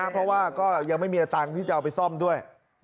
เพราะว่าก็ยังไม่มีตังค์ที่จะเอาไปซ่อมด้วย